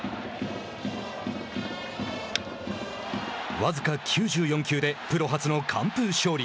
僅か９４球でプロ初の完封勝利。